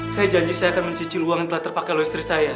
saya janji saya akan mencuci uang yang telah terpakai oleh istri saya